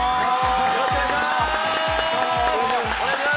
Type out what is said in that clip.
よろしくお願いします！